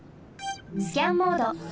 スキャンモード。